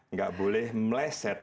nggak boleh meleset gitu